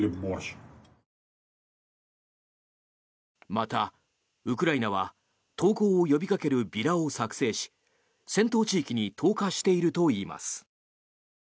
またウクライナは投降を呼びかけるビラを作成し戦闘地域に投下しているといいます。